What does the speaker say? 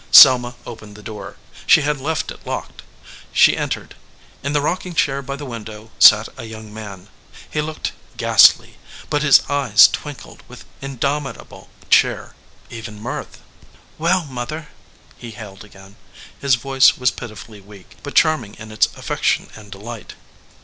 Selma opened the door. She had left it locked. She entered. In the rocking chair by the window sat a young man. He looked ghastly, but his eyes twinkled with indomitable cheer even mirth. "Well, mother !" he hailed again. His voice was pitifully weak, but charming in its affection and delight.